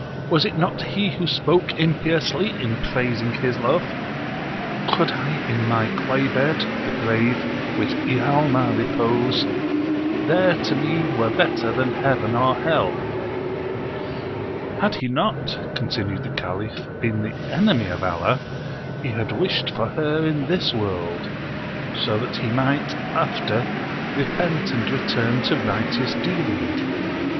Was it not he who spoke impiously [in praising his love]? 'Could I in my clay bed [the grave] with Ialma repose, There to me were better than Heaven or Hell!' Had he not [continued the Caliph] been the enemy of Allah, he had wished for her in this world; so that he might, after, repent and return to righteous dealing.